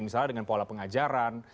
misalnya dengan pola pengajaran